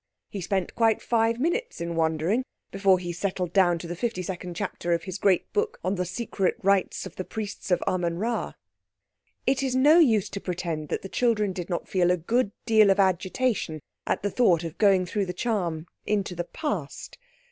He spent quite five minutes in wondering before he settled down to the fifty second chapter of his great book on The Secret Rites of the Priests of Amen Rā. It is no use to pretend that the children did not feel a good deal of agitation at the thought of going through the charm into the Past.